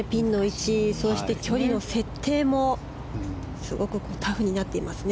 ピンの位置そして距離の設定もすごくタフになっていますね